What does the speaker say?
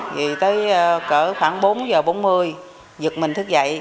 vì tới khoảng bốn h bốn mươi giật mình thức dậy